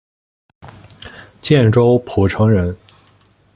建州浦城人。